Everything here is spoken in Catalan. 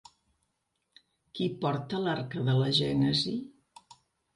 Qui porta l'«Arca de la gènesi»?